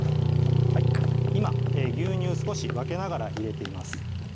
今牛乳少し分けながら入れています